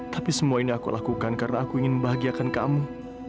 tapi semua ini aku lakukan karena aku ingin membahagiakan kamu